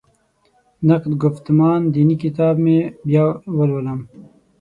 نقد ګفتمان دیني کتاب مې بیا ولولم.